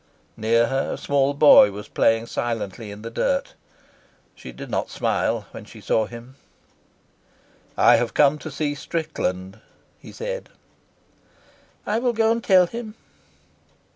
Near her a small boy was playing silently in the dirt. She did not smile when she saw him. "I have come to see Strickland," he said. "I will go and tell him."